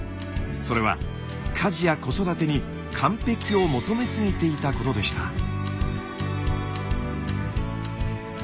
それは家事や子育てに完璧を求めすぎていたことでした。